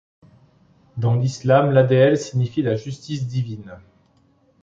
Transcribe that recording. Dans l'Islam, l'ʿadl signifie la justice divine.